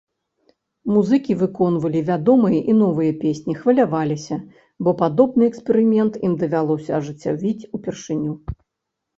Музыкі выконвалі вядомыя і новыя песні, хваляваліся, бо падобны эксперымент ім давялося ажыццявіць упершыню.